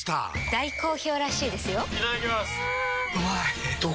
大好評らしいですよんうまい！